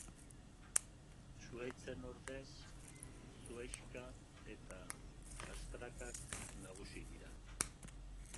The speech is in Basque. Zuhaitzen ordez, zuhaixka eta sastrakak nagusi dira.